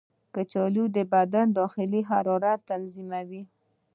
کچالو د بدن داخلي حرارت تنظیموي.